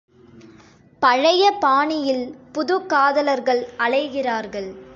பழைய பாணியில் புதுக் காதலர்கள் அலைகிறார்கள்.